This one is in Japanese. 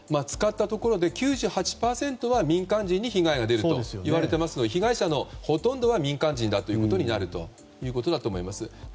使ったところで９８％は民間人に被害が出るといわれていますので被害者のほとんどが民間人となるということだと思います。